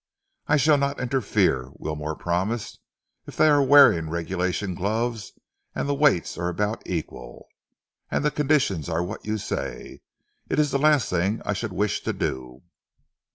"I shall not interfere," Wilmore promised. "If they are wearing regulation gloves, and the weights are about equal, and the conditions are what you say, it is the last thing I should wish to do."